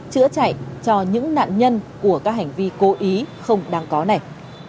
chữa chạy cho những nạn nhân của các hành vi cố ý không đáng có này